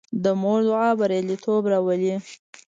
د مور دعا بریالیتوب راولي.